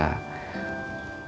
mudik dulu kan